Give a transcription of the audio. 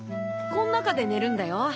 こん中で寝るんだよ。